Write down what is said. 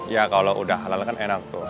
ya kalau udah halal kan enak tuh